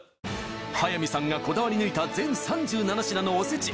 速水さんがこだわり抜いた全３７品のおせち